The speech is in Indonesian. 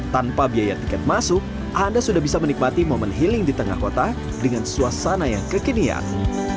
tanpa biaya tiket masuk anda sudah bisa menikmati momen healing di tengah kota dengan suasana yang kekinian